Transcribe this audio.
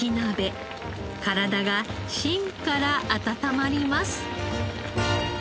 体が芯から温まります。